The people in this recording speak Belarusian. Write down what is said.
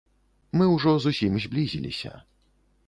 Мы ўжо зусім зблізіліся.